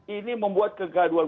ini membuat kegaduhan